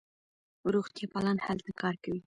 روغتیاپالان هلته کار کوي.